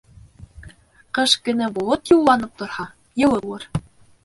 Ҡыш көнө болот юлланып торһа, йылы булыр.